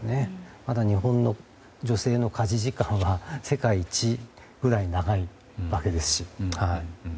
まだ日本の女性の家事時間は世界一ぐらい長いわけですし。